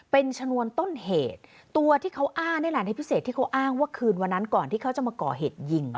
เป็นชนวนต้นเหตุตัวที่เขาอ้างนี่แหละในพิเศษที่เขาอ้างว่าคืนวันนั้นก่อนที่เขาจะมาก่อเหตุยิง